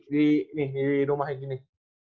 di rumah yang gini